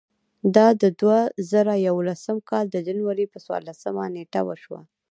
دا د دوه زره یولسم کال د جنورۍ پر څوارلسمه نېټه وشوه.